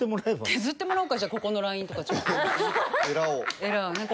削ってもらおうかじゃあここのラインとかちょっとエラをね